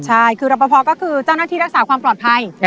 ใช่คือรับประพอก็คือเจ้าหน้าที่รักษาความปลอดภัย